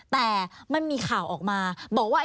แต่มันมีข่าวออกมาบอกว่า